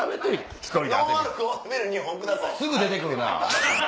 すぐ出て来るなぁ！